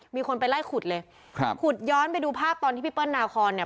มีคนไปไล่ขุดเลยครับขุดย้อนไปดูภาพตอนที่พี่เปิ้ลนาคอนเนี่ย